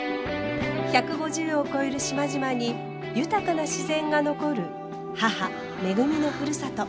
１５０を超える島々に豊かな自然が残る母めぐみのふるさと。